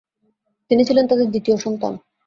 তিনি ছিলেন তাদের দ্বিতীয় সন্তান।